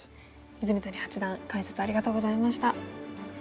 泉谷八段解説ありがとうございました。